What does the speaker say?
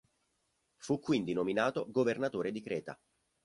Fu quindi nominato governatore di Creta.